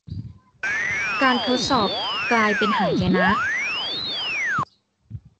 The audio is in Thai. การทดสอบกลายเป็นหายนะ